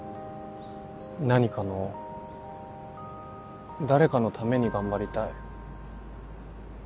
何かの誰かのために頑張りたい。